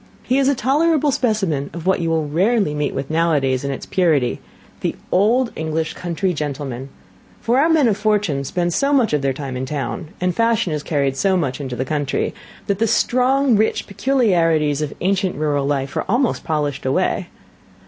He is a tolerable specimen of what you will rarely meet with nowadays in its purity, the old English country gentleman; for our men of fortune spend so much of their time in town, and fashion is carried so much into the country, that the strong, rich peculiarities of ancient rural life are almost polished away.